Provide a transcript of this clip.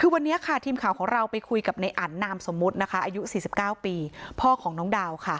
วันนี้ค่ะทีมข่าวของเราไปคุยกับในอันนานอายุ๔๙ปีพ่อของดาว